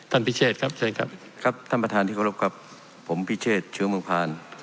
คำจริงครับครับท่านประธานที่โคะลบกลับผมพิเชษฐ์เฉียงบิงพาน